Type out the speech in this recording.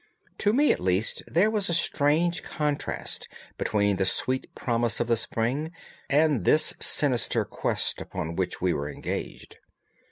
To me at least there was a strange contrast between the sweet promise of the spring and this sinister quest upon which we were engaged.